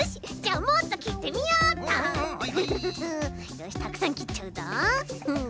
よしたくさんきっちゃうぞ。